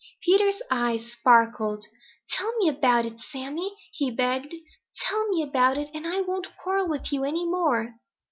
Peter's eyes sparkled. "Tell me about it, Sammy," he begged. "Tell me about it, and I won't quarrel with you any more."